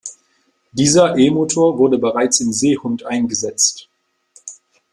Dieser E-Motor wurde bereits im Seehund eingesetzt.